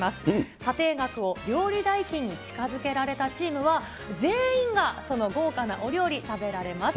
査定額を料理代金に近づけられたチームは、全員がその豪華なお料理食べられます。